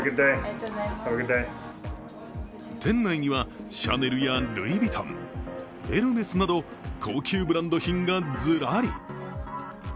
店内にはシャネルやルイヴィトンエルメスなど、高級ブランド品がズラリ。